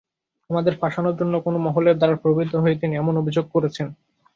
আমাদের ফাঁসানোর জন্য কোনো মহলের দ্বারা প্রভাবিত হয়ে তিনি এমন অভিযোগ করছেন।